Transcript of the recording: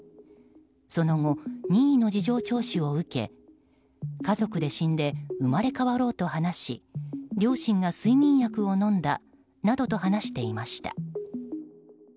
その後、任意の事情聴取を受け家族で死んで生まれ変わろうと話し両親が睡眠薬を飲んだなどと話していました。